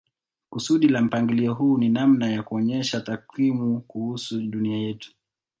Kusudi la mpangilio huu ni namna ya kuonyesha takwimu kuhusu dunia yetu.